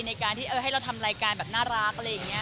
ในการที่ให้เราทำรายการแบบน่ารักอะไรอย่างนี้